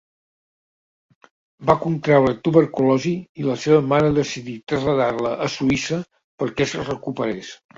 Va contreure tuberculosi i la seva mare decidí traslladar-la a Suïssa perquè es recuperés.